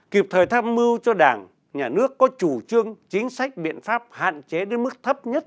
kịp thời tham mưu cho đảng nhà nước có chủ trương chính sách biện pháp hạn chế đến mức thấp nhất